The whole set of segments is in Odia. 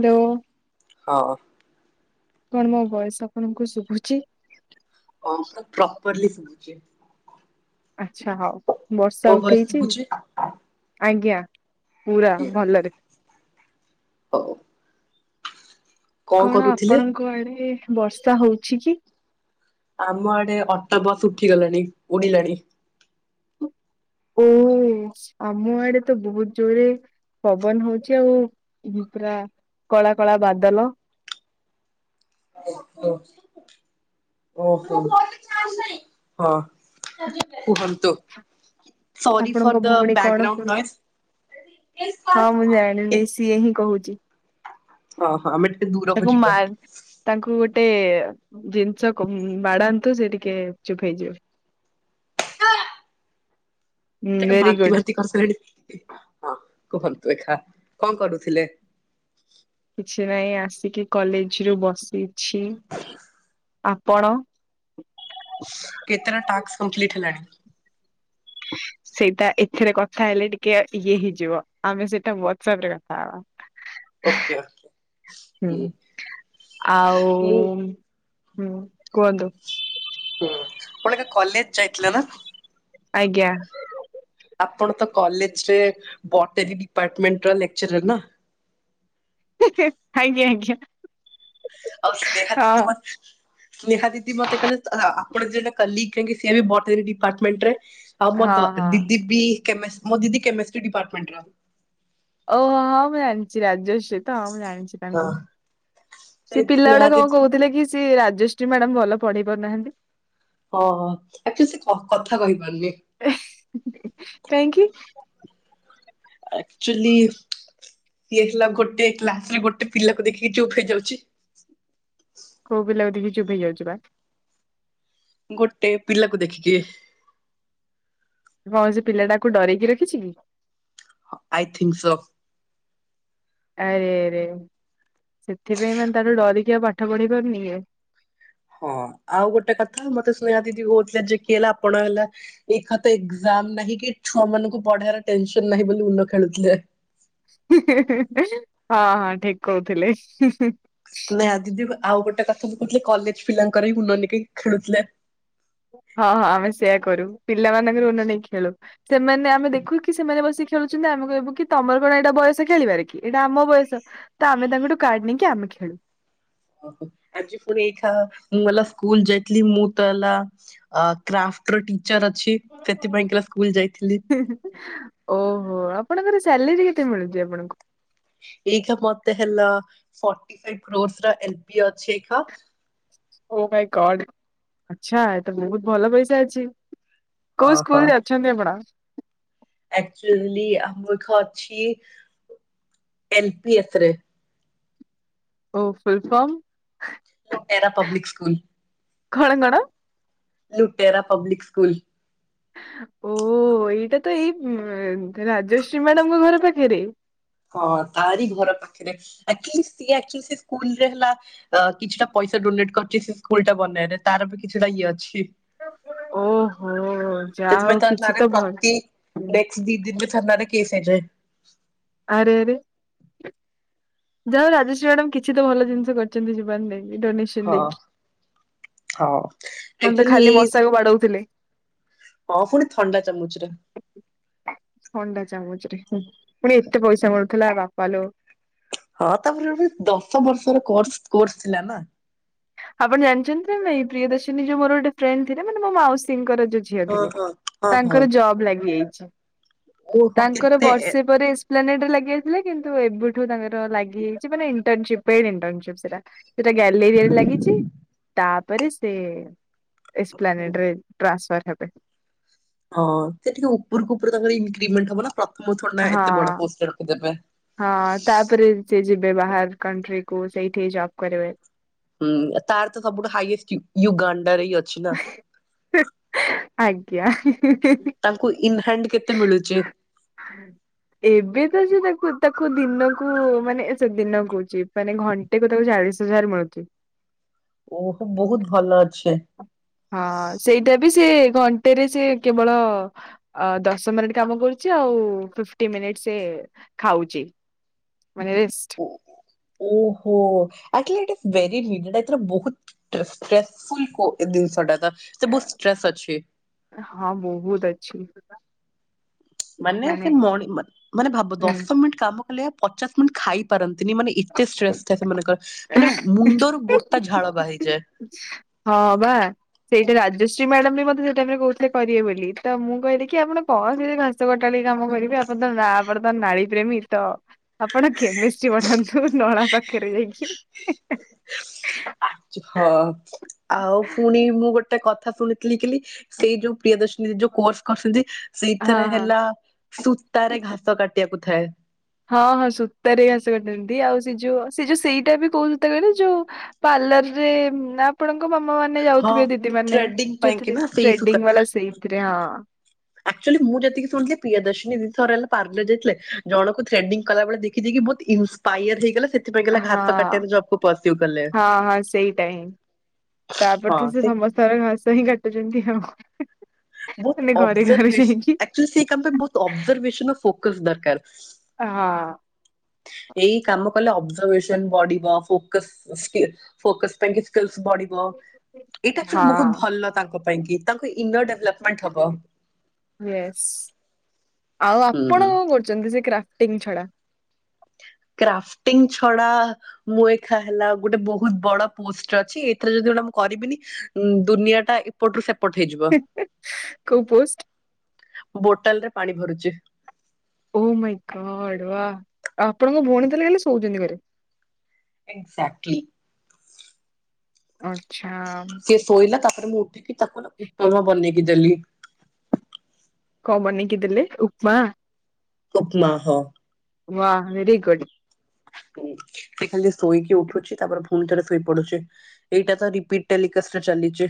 ହ୍ୟାଲୋ ହଁ। କଣ ମୋ ବଏସ୍ ଆପଣଙ୍କୁ ଶୁଭୁଛି? ହଁ ପୁରା ପ୍ରପରଲି ଶୁଭୁଛି। ଆଚ୍ଛା ହଉ ବର୍ଷା ମୋ ଭଏସ ଉଠେଇଛି ଶୁଭୁଛି? ଆଜ୍ଞା। ପୁରା ଭଲରେ। ହଉ। କଣ ଆପଣଙ୍କ ଆଡ଼େ ବର୍ଷା ହଉଛି କି? ଆମ ଆଡ଼େ ଅଟୋ ବସ୍ ଉଠିଗଲାଣି ଉଡି଼ଲାଣି। ଓ ଆମ ଆଡ଼େ ତ ବହୁତ ଜୋରେ ପବନ ହଉଛି ଆଉ ପୁରା କଳା କଳା ବାଦଲ ଓ ଓହୋ ହଁ। କୁହନ୍ତୁ। ସରି ଫର୍ ଆପଣଙ୍କ ଦ ଭଉଣୀ କଣ ବ୍ୟାକଗ୍ରାଉଣ୍ଡ ନଏଜ। କରୁଛି? ହଁ ମୁଁ ଜାଣିଲି ସିଏ ହିଁ କହୁଛି। ହଁ ହଁ ଆମେ ଟିକେ ଦୂରକୁ ତାକୁ ମା ଯିବା। ତାଙ୍କୁ ଗୋଟେ ଜିନିଷ ବାଡ଼ାନ୍ତୁ ସେ ଟିକେ ଚୁପ ହେଇଯିବେ। ଆ। ହୁଁ ତାକ ଭେରି ବାନ୍ତି ଗୁଡ ବାନ୍ତି କରିସାରିଲାଣି। ହଁ କୁହନ୍ତୁ ଏକା କଣ କରୁଥିଲେ? କିଛି ନାହିଁ ଆସିକି କଲେଜ ରୁ ବସିଛି। ଆପଣ? କେତେଟା ଟାସ୍କ କଂପ୍ଲିଟ ହେଲାଣି? ସେଇଟା ଏଥିରେ କଥା ହେଲେ ଟିକେ ଇଏ ହେଇଯିବ। ଆମେ ସେଇଟା ହ୍ୱାଟସଆପ ରେ କଥା ହବା। ଓକେ ଓକେ [inaudible] ହୁଁ ଆଉ ମୁଁ ହୁଁ କୁହନ୍ତୁ। ହୁଁ କଣ କଲେଜ ଯାଇଥିଲା ନା? ଆଜ୍ଞା। ଆପଣ ତ କଲେଜରେ ବଟେରୀ ଡିପାର୍ଟମେଣ୍ଟ ର ଲେକ୍ଚର ନା। ଆଜ୍ଞା -ଆଜ୍ଞା। ଆଉ ସ୍ନେହା ହଁ ଦିି ମ ସ୍ନେହା ଦିଦି ମତେ କହିଲେ ଆପଣ [unintelligible] ବି ବଟେରୀ ଡିପାର୍ଟମେଣ୍ଟ ରେ ଆଉ ମୋ ହଁ ଦ- ହଁ ଦିଦି ବି କେମେଷ୍- ମୋ ଦିଦି କେମିଷ୍ଟ୍ରି ଡିପାର୍ଟମେଣ୍ଟ ର। ଓହୋ ହଁ ମୁଁ ଜାଣିଚି ରାଜ୍ୟଶ୍ରୀ। ତ ମୁଁ ଜାଣିଛି ହଁ ତାଙ୍କୁ ସେ ପିଲା ଗୁଡା ସ୍ନେହା ଦିଦି କଣ କହୁଥିଲେ କି ସେ ରାଜଶ୍ରୀ ମ୍ୟାଡାମ୍ ଭଲ ପଢେଇ ପାରୁନାହାନ୍ତି। ଓ ହ ଆକ୍ଚୁଲି ସେ କ- କଥା କହିପାରୁନି। କାହିଁକି? ଆକ୍ଚୁଲି ଇଏ ହେଲା ଗୋଟେ କ୍ଲାସ୍ ରେ ଗୋଟେ ପିଲାକୁ ଦେଖିକି ଚୁପ୍ ହେଇଯାଉଚି। କଉ ପିଲାକୁ ଦେଖିକି ଚୁପ୍ ହେଇଯାଉଚି ବା? ଗୋଟେ ପିଲାକୁ ଦେଖିକି। କଣ ସେ ପିଲାଟା ଆକୁ ଡରେକି ରଖିଚି କି? I think so. ଆରେ ଆରେ ସେଥିପାଇଁ ମାନେ ତାକୁ ଡରିକି ଆଉ ପା ହଁ ଆଉ ଗୋଟେ କଥା ମତେ ସ୍ନେହା ଦିଦି କହୁଥିଲା ଯେ କିଏ ହେଲା ଆପଣ ହେଲା ଏଇଖା ତ ଏକ୍ଜାମ୍ ନାହିଁ କି ଛୁଆ ମାନଙ୍କୁ ପଢେଇଆର ଟେନସନ୍ ନାହିଁ ବୋଲି ଇନୋ ଖେଳୁଥିଲେ। ହିଁ -ହିଁ -ହିଁ ଠିକ୍ କହୁଥିଲେ। ନାଇଁ ଦିଦି ଆଉ ଗୋଟେ କଥା ମୁଁ କହୁଥିଲି କଲେଜ ପିଲାଙ୍କର ହିଁ [unintelligible] ଖେଳୁଥିଲେ। ହଁ ହଁ ଆମେ ସେୟା କରୁ ପିଲାମାନଙ୍କ ରୁମ୍ ରେ ନେଇ ଖେଳୁ ସେମାନେ ଆମେ ଦେଖୁ କି ସେମାନେ ବସିକି ଖେଳୁଚନ୍ତି ଆମେ କହିବୁ କି ତମର କଣ ଏଇଟା ବୟସ ଖେଳିବାରେ କି ଏଇଟା ଆମ ବୟସ। ତ ଆମେ ତାଙ୍କଠୁ କାର୍ଡ ନେଇକି ଆମେ ଖେଳୁ। ଆଜି ଫୁଣି ଏଇଖା ମୁଁ ମଲା ସ୍କୁଲ ଯାଇଥିଲି ମୁଁ ତ ହେଲା ଆ- କ୍ରାଫ୍ଟ୍ ର ଟିଚର୍ ଅଛି ସେଥିପାଇଁ କି ଲା ସ୍କୁଲ୍ ଯାଇଥିଲି। [inaudible] ଓହୋ ଆପଣଙ୍କର ସାଲେରୀ କେତେ ମିଳୁଚି ଆପଣଙ୍କୁ? ଏଇଖା ମତେ ହେଲ ଫୋଟି ଫାଇବ୍ କ୍ରଷ୍ ର ଏଲ୍ପିଓ ଅଛି ଖା। ଓ ମାଇଁ ଗଡ୍ ଆଛା ଏତ ବହୁତ୍ ଭଲ ପଇସା ଅଛି। କଉ ଓହୋ ସ୍କୁଲ୍ ଯାଉଚନ୍ତି ଆପଣ? ଆକ୍ଚୁଲି ଆମଖ ଅଛି ଏଲ ପି ଏଫ୍ ରେ। ଓ ଫୁଲ୍ ଫମ୍। ଲୋଏରା public school. କଣ କଣ? ଲୁଟେରା ପବ୍ଲିକ୍ ସ୍କୁଲ୍। ଓ ଏଇଟା ତ ଏଇ ଉଁ- ରାଜଶ୍ରୀ ମ୍ୟାଡାମଙ୍କ ଘର ପାଖେରେ। ହଁ ତାରି ଘର ପାଖେରେ ଆକ୍ଚୁଲି ସିଏ ଆକ୍ଚୁଲି ସିଏ ସ୍କୁଲ୍ ରେ ହେଲା ଅ- କିଛିଟା ପଇସା ଡୋନେଟ୍ କରିଚି ସେ ସ୍କୁଲ୍ ଟା ବନେଇବାରେ ତାର ବି କିଛିଟା ଇଏ ଅଛି। ଓହୋ ଯାହା ହଉ କିଛି ତ ଭଲ୍ ନେକ୍ସଟ୍ ଦି ଦିନ ରେ ଥାନାରେ କେସ୍ ହେଇଯାଏ। ଆରେ ଆରେ। ଯା ହଉ ରାଜଶ୍ରୀ ମ୍ୟାଡାମ୍ କିଛି ତ ଭଲ ଜିନିଷ କରିଚନ୍ତି ଜୀବନ ରେ ଏ ଡୋନେସନ୍ ହଁ ହଁ [unintelligible] ଆକ୍ଚୁଆଲି ଖାଲି ଏଇ ମଶାକୁ ବାଡଉଥିଲେ। ହଁ ଫୁଣି ଥଣ୍ଡା ଚାମଚ୍ ରେ। ଥଣ୍ଡା ଚାମଚ ରେ ପୁଣି ଏତେ ପଇସା ମିଳୁଥିଲା ବାପା ଲୋ। ହଁ ତାପରେ [unintelligible] ଦଶ ବର୍ଷର କୋର୍ସ କୋର୍ସ୍ ଥିଲା ନା। ଆପଣ ଜାଣିଛନ୍ତି ନା ନାଇଁ ପ୍ରିୟ ଦର୍ଶିନୀ ଯୋଉ ମୋର ଗୋଟେ ଫ୍ରେଣ୍ଡ ଥିଲେ ମାନେ ମୋ ମାଉସୀଙ୍କର ଯଉ ଝିଅ ହଁ ଥିଲେ ହଁ ହଁ ହଁ ତାଙ୍କର ଜବ୍ ଲାଗି ଯାଇଛି ଓହୋ ତାଙ୍କର କେତେ ଏ ବର୍ଷେ [unintelligible] ଏ ଲାଗି ଯାଇଥିଲେ କିନ୍ତୁ ଏବେଠୁ ତାଙ୍କର ଲାଗି ହେଇଛି ମାନେ ଇଣ୍ଟନସିପ୍ ଏଣ୍ଟନଷିପ୍ସ ରା। ସେଟା ଗ୍ୟାଲେରୀ ରେ ଲାଗିଚି ତାପରେ ସେ ଏକ୍ସପ୍ଲାନେଟରେ। ଟ୍ରାନ୍ସଫର୍ ହେବେ। ହଁ ସେ ଟିକେ ଉପରକୁ ଉପର ତାଙ୍କର ଇନକ୍ରିମେଣ୍ଟ ହବ ନା ପ୍ରଥମ ଥ୍ହୋଡି ହଁ ନାଏତେ ବଡ ପୋଷ୍ଟ ରେ ରଖିଦେବେ। ହଁ ତାପରେ ସେ ଯିବେ ବାହାର କଣ୍ଟ୍ରିକୁ ସେଇଠି ସେ ଜବ୍ କରିବେ। ହୁଁ ତାର ତ ସବୁଠୁ ହାଇଏଷ୍ଟ ୟୁଗାଣ୍ଡରେ ହି ଅ ଛି ନା। ଆଜ୍ଞା। ତାଙ୍କୁ ଇନହାଣ୍ଡ କେତେ ମିଳୁଚି? ଏବେ ତ ଯେ ତାକୁ ତାକୁ ଦିନକୁ ମାନେ ଏ ସେ ଦିନ କହୁଛି। ମାନେ ଘଣ୍ଟେ କୁ ତାକୁ ଚାଳିଶ ହଜାର ମିଳୁଚି। ଓହୋ ବହୁତ ଭଲ ଅଛେ। ହଁ ସେଇଟା ବି ସେ ଘଣ୍ଟେରେ ସେ କେବଳ। ଅ ଦଶ ମିନିଟ କାମ କରୁଛି ଆଉ ଫିଫ୍ଟି ମିନିଟ ସେ ଖାଉଚି। ମାନେ ରିସ୍। ଓହୋ [unintelligible] ଏଥିର ବହୁତ୍ [unintelligible] ଷ୍ଟ୍ରେସଫୁଲ କୁ ଏ ଦିନିଷ ଟା ତ ସେ ବହୁତ ଷ୍ଟ୍ରେସ ଅଛି। ହଁ ବହୁତୁ ଅଛି। ମାନେ ସେ ମଣି ମାନେ ଭାବ ହୁଁ। ଦଶ ମିନିଟ୍ କାମ କଲେ ପଚାଶ ମିନିଟ୍ ଖାଇ ପାରନ୍ତିନି ମାନେ ଏ କେତେ ଷ୍ଟ୍ରେସ୍ ଥାଏ ସେମାନଙ୍କର ମାନେ ମୁଣ୍ଡରୁ ଗୋଟା ଝାଳ ବାହାରିଯାଏ। ହା। ହଁ ବା। ସେଇଟା ରାଜଶ୍ରୀ ମ୍ୟାଡାମ ବି ମତେ ସେଇ ଟାଇମିରେ କହୁଥିଲେ କରିବେ ବୋଲି ତ ମୁଁ କହିଲିକି ଆପଣ କଣ ସେ ଘାସ କଟାଳି କାମ କରିବେ ଆପଣ ତ ନା ବର୍ତମାନ ନାଳି ପ୍ରେମୀ ତ। ଆପଣ କେମିଷ୍ଟ୍ରି ପଠାନ୍ତୁ ନଳା ପାଖରେ ଯାଇକି। ହଁ ଆଉ ପୁଣି ମୁଁ ଗୋ ଟେ କଥା ଶୁଣିଥିଲି କିଲି ସେଇ ଯୋଉ ପ୍ରିୟ ଦର୍ଶନୀ ଯୋଉ କୋର୍ସ କରିସନ୍ତି ହଁ ସେଇଥିରେ ହଁ ହେଲା। ସୂତାରେ ଘାସ କାଟିବାକୁ ଥାଏ। ହଁ ହଁ ସୂତାରେ ଘାସ କାଟନ୍ତି ଆଉ ସେ ଯୋଉ ସେ ଯୋଉ ସେଇଟା ବି କୋଉନୁ ତାକ ଆଡେ ଯୋଉ। ପାର୍ଲରରେ ନା ଆପଣଙ୍କ ମାମା ମାନେ ହଁ। ଯାଉଥିବେ ଦିଦି ମାନେ ଥ୍ରେଡିଙ୍ଗ ପାଇଁ କି ଯୋଉଥିରେ ନା ସେଇ ସୂତା ଥେଡିଂବାଲା ସେଇଥିରେ ହଁ। ଅକଚୂୟାଲି ମୁଁ ଯେତିକି ଶୁଣିଥିଲି ପ୍ରିୟ ଦର୍ଶିନୀ ଦିଦି ଥରେ ହେଲା ପାର୍ଲର ଯାଇଥିଲେ ଜଣଙ୍କୁ ଥେଡିଂ କଲାବେଳେ ଦେଖି ଦେଇକି ବହୁତ ଈ ପାଇଅର ହେଇଗଲା ସେଥିପାଇଁ ଗଲା ହଁ ଘାସ କାଟ ବାର ଜବକୁ ପଶଉ ଗଲେ। ତାପରେ ତ ସେ ସମସ୍ତର ଘାସ ହିଁ କାଟୁଛନ୍ତି ଆଉ। ମାନେ ଘରେ ଘରେ ଯାଇଁକି। ସେ ସେ କାମ ପାଇଁ ବୋହୁତ ଅବ୍ଜରବେସନ୍ ଆଉ ଫୋକସ୍ ଦରକାର। ଆ ହଁ। ଏଇ କାମ କଲେ ଅବ୍ଜରବେସନ୍ ବଡିବ ଫୋକସ୍ ସ୍କି ଫୋକସ୍ ପାଇଁକି ସ୍କିଲସ୍ ବଡି। ବ ଏଇଟା ଆକ୍ଚୁଆଲି ହଁ ବୋହୁତ ଭଲ ତାଙ୍କ ପାଇଁକି ତାଙ୍କ ଇନର୍ ଡେଭଲପ୍ ୟେସ୍ ଆଉ ହୁଁ ଆପଣ କରୁଚନ୍ତି ସେ କ୍ରାଫଟିଙ୍ଗ ଛଡା। କ୍ରାଫ୍ଟିଂ ଛଡା ମୁଁ ଏଇଖା ହେଲା ଗୋଟେ ବୋହୁତ ବଡ ପୋଷ୍ଟରେ ଅଛି ଏଥିରେ ଯଦି ଗୋଟେ ମୁଁ କରିବିନି ଉଁ ଦୁନିଆଟା ଏ ଏପଟ ସେପଟ ହେଇଯିବ। ହିଁ ହିଁ କୋଉ ପୋଷ୍ଟ? ବୋଟଲରେ ପାଣି ଭରୁଚି। ଓ ମାଇଁ ଗଡ୍ ୱା ଆଉ ଆପଣଙ୍କ ଭଉଣୀ ତାହେଲେ ଖାଲି ଶୋଉଚନ୍ତି ଘରେ? ଏଗ୍ଜାକ୍ଟଲି। ଆଛା। ସିଏ ଶୋଇଲା ତାପରେ ମୁଁ ଉଠିକି ତାକୁ ଏଇନା ଉପମା ବନେଇକି ଦେଲି। କଁ ବନେଇକି ଦେଲେ ଉପମା। ଉପମା ହଁ। ୱା ଭେରି ଗୁଡ୍। [unintelligible] ସେ ଖାଲି ଶୋଇକି ଉଠୁଚି ତାପରେ ପୁଣି ଥରେ ଶୋଇପଡୁଚି ଏଇଟା ତା ରିପିଟ୍ ଟେଲିକାଷ୍ଟରେ ଚାଲିଚି।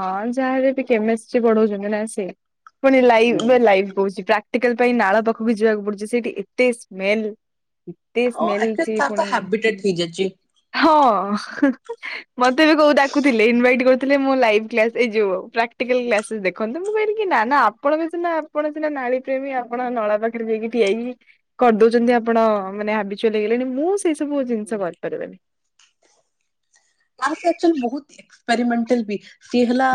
ହଁ ଯାହା ବି ବି କେମେଷ୍ଟ୍ରୀ ପଢଉଚନ୍ତି ନା ସିଏ ପୁଣି ଲାଇଭ ହୁଁ ବେ ଲାଇଭ କଉଚି ପ୍ରା ଟିକିଲ୍ ପାଇଁ ନାଳ ପାଖୁକୁ ଯିବାକୁ ପଡୁଚି ସେଇଠି ଏତେ ସ୍ମେଲ୍। ଏତେ ଆଉ ସ୍ମେଲ ଆଟଲିଷ୍ଟ ସେ ତାର ତ ପୁଣିି ଉଁ ହାବିଟେଟ ହେଇଯାଇଛି। ହଁ ହିଁ ହିଁ ମତେ ବି କୋଉ ଡାକୁଥିଲେ ଇନଭାଇଟ୍ କରୁଥିଲେ ମୋ ଲାଇଭ କ୍ଲାସ୍ ଏଇ ଯୋଉ ପ୍ରାକ୍ଟିକାଲ କ୍ଲାସେସ୍ ଦେଖନ୍ତୁ ମୁଁ କହିଲି କି ନା ନା ଆପଣ ବି ସିନା ଆପଣ ସିନା ନାଳି ପସେବି ଆପଣ ନଳା ପାଖେରେ ଯାଇକି ଠିଆ ହେଇକି କରିଦଉଚନ୍ତି ଆପଣ ମାନେ ହାବିଚୁଆଲ୍ ହେଇଗଲେଣି ମୁଁ ସେଇ ସବୁ ଜିନିଷ କରିପାରିବିନି। କଁ ସେ ଆକ୍ଚୁଆଲ ବୋହୁତ ଇଏ ଏକ୍ସପାରିମେଣ୍ଟାଲ ବି ସିଏ ହେଲା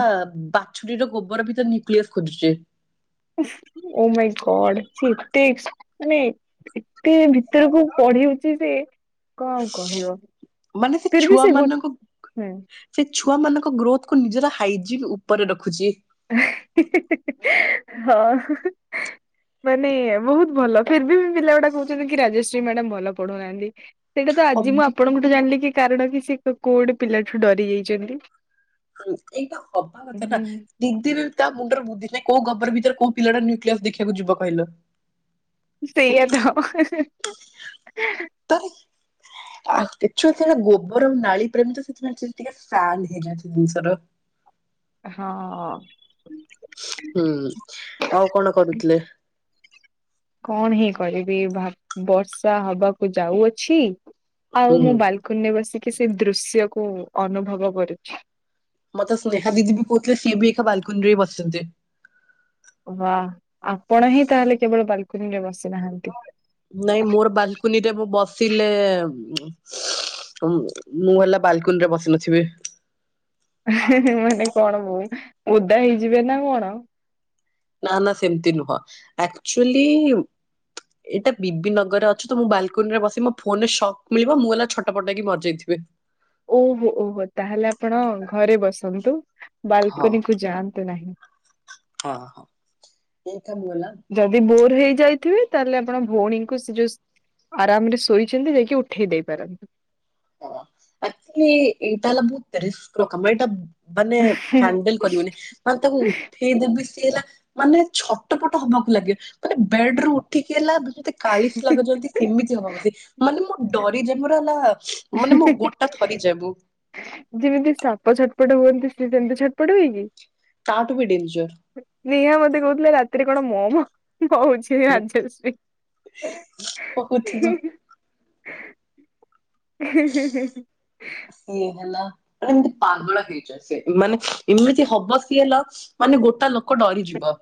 ବାଛୁରୀର ଗୋବର ଭିତରେ ନ୍ୟୁକ୍ଲିୟସ୍ ଖୋଜୁଚି। ଉଫ୍ ଓ ମାଇଁ ଗଡ୍ ସିଏ ଏତେ ଏକ୍ସ ମାନେ ଏତେ ଭିତରକୁ ପଡିହେଉଚି ଯେ କଁ କହିବ। ମାନେ ସେ ଫିର ବି ଗୋ ଛୁଆମାନଙ୍କୁ ହୁଁ ସେ ଛୁଆମାନଙ୍କ ଗ୍ରୋଥକୁୁ ନିଜର ହାଇଜିନ୍ ଉପରେ ରଖୁଚି। ଏହ୍ ହି ହି ହି ହଁ ହିଁ ହିଁ। ମାନେ ବୋହୁତ ଭଲ ଫିର୍ ଭି ବି ପିଲାଗୁଡା କହୁଚନ୍ତି କି ରାଜସ୍ଵି ମାଡାମ୍ ଭଲ ପଢଉନାହାନ୍ତି। ସେଇଟା ତ ଆଜି ମୁଁ ଅବି ଆପଣଙ୍କଠୁ ଜାଣିଲି କି କାରଣ କି ସେ କୋ କୋଉ ଗୋଟେ ପିଲାଠୁ ଡରି ଯାଇଚନ୍ତି। ହୁଁ ଏଇଟା ହବା କଥାନା ଦିଦି ବି ତା ମୁଣ୍ଡରେ ବୁଦ୍ଧି ନାଇଁ କୋଉ ଗୋବର ଭିତେରେ କୋଉ ପିଲାଟା ନ୍ୟୁକ୍ଲିୟସ ଦେଖିଆକୁ ଯିବ କିହିଲ? ସେଇଆ ତ [unintelligible] ତ ଆହ୍ ଇଛୁ ଯେତେବେଳେ ଗୋବର ଆଉ ନାଳୀ ପ୍ରେମୀ ତ ସେଥିପାଇଁ ସିଏ ଟିକେ ସାନ୍ ହେଇଯାଉଚି ଜିନିଷର। ହଁ। ହୁଁ ଆଉ କଣ କରୁଥିଲେ? କଣ ହିଁ କରିବି ଭା ବର୍ଷା ହବାକୁ ଯାଉଅଛି ହୁଁ। ଆଉ ମୁଁ ବାଲ୍ କୁନିରେ ବସିକି ସେ ଦୃଶ୍ୟକୁ ଅନୁଭବ କରୁଛି। ମତେ ସ୍ନେହା ଦିଦି ବି କହୁଥିଲେ ସିଏ ବି ଏଇଖା ବାଲକୁନିରେ ବସିଚନ୍ତି। ୱା ଆପଣ ହିଁ ତାହେଲେ କେବଳ ବାଲକୁନିରେ ବସିନାହାନ୍ତି? ନାଇଁ ମୋର ବାଲ୍ କୁନିରେ ମୁଁ ବସିଲେ ଉଁ ଉଁ ମୁଁ ହେଲା ବାଲକୁନିରେ ବସି ନଥିବି। ହେଁ ହେଁ ମାନେ କଣ ବୋ ଓଦା ହେଇଯିବେ ନା କଣ? ନା ନା ସେମିତି ନୁହଁ ଆକ୍ଚୁଆଲି ଏଇଟା ବିିବି ନଗରରେ ଅଛ ତ ମୁଁ ବାଲକୁନି ରେ ବସି ମୋ ଫୋନରେ ଶକ୍ ମିଳିବ ମୁଁ ଗଲା ଛୋଟ ପଟ ହେଇକି ମରିଯାଇଥିବି। ଓହୋ ଓହୋ ତାହେଲେ ଆପଣ ଘରେ ବସନ୍ତୁ ହଁ ବାଲକୁନି କୁ ଯାଆନ୍ତୁ ନାହିଁ। ହଁ ହଁ [unintelligible] ଯଦି ବୋର ହେଇ ଯାଇଥିବେ ତାହେଲେ ଆପଣ ଭଉଣୀଙ୍କୁ ସେ ଯୋଉ ଆରାମ ରେ ଶୋଇଚନ୍ତି ଯାଇକି ଉଠେଇ ଦେଇ ପାରନ୍ତୁ। ଏକଚୁଆଲି [unintelligible] ମାନେ ହ୍ୟାଣ୍ଡେଲ କରିହଉନି। ମାନେ ତାକୁ ଠେଇଦବି ସିଏ ହେଲା ମାନେ ଛଟ ପଟ ହବାକୁ ଲାଗେ ମାନେ ବେଡ ରୁ ଉଠିକି ହେଲା [inaudible] କାଳିଶ ଲାଗୁଚନ୍ତି ସେମିତି ହବା ଉ ମାନେ ମୁଁ ଡରି [unintelligible] ମାନେ ମୋ ଗୋଡ ଟା ଥରି ଯାଏ ମୁଁ ଯେମିତି ସାପ ଛଟପଟ ହୁଅନ୍ତି ସେ ସେମିତି ଛଟପଟ ହୁଏ କି? ତାଠୁ ବି ଡେଞ୍ଜର। ନେହା ମତେ କହୁଥିଲେ ରାତିରେ କଣ ମହ ମ ହଉଚି। ସେ ରାତି ଯାକ ହଉଥିବ ଶୋଇନି। [unintelligible] ସିଏ ହେଲା ମାନେ ଏମିତି ପାଗଳା ହେଇଯାଏ ସେ ମାନେ ଏମିତି ହବ ସିଏ ନା ମାନେ ଗୋଟା ଲୋକ ଡରିଯିବ।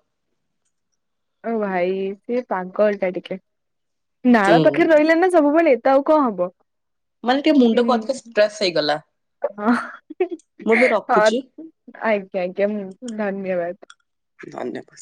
ଓ ଭାଇ ସିଏ ପାଗଳଟା ଟିକେ। ହୁଁ ନାଳ ପାଖରେ ରହିଲା ନା ସବୁବେଳେ। ତ ଆଉ କଣ ହବ। ମାନେ ଟିକେ ମୁଣ୍ଡକୁ ଅଧିକ ଷ୍ଟ୍ରେସ୍ ହେଇଗଲା। ହ ମୁଁ ଏବେ ହଁ ରଖୁଛି ଆଜ୍ଞା ଆଜ୍ଞା ଧନ୍ୟବାଦ। ଧନ୍ୟବା